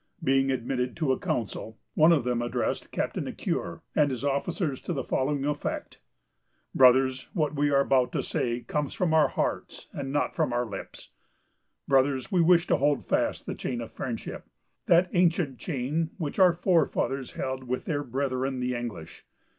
Being admitted to a council, one of them addressed Captain Ecuyer and his officers to the following effect:—— "Brothers, what we are about to say comes from our hearts, and not from our lips. "Brothers, we wish to hold fast the chain of friendship——that ancient chain which our forefathers held with their brethren the English.